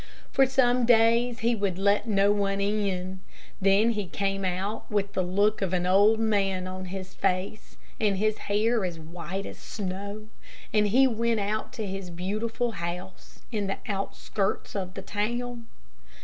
For some days he would let no one in; then he came out with the look of an old man on his face, and his hair as white as snow, and went out to his beautiful house in the outskirts of the town.